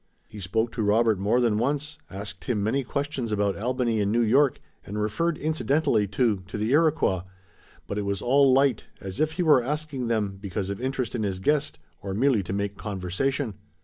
He spoke to Robert more than once, asked him many questions about Albany and New York, and referred incidentally, too, to the Iroquois, but it was all light, as if he were asking them because of interest in his guest, or merely to make conversation.